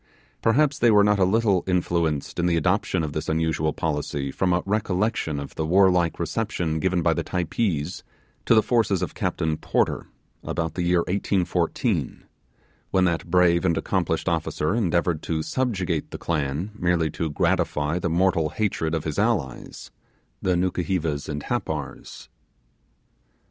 Perhaps they were not a little influenced in the adoption of this unusual policy from a recollection of the warlike reception given by the Typees to the forces of Captain Porter, about the year 1814, when that brave and accomplished officer endeavoured to subjugate the clan merely to gratify the mortal hatred of his allies the Nukuhevas and Happars.